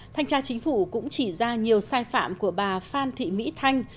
thanh tra chính phủ cũng chỉ ra nhiều sai phạm của bà phan thị mỹ thanh